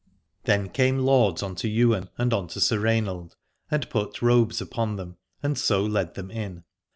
Then came lords unto Ywain and unto Sir Rainald, and put robes upon them and so led them in.